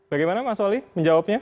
bagaimana mas wali menjawabnya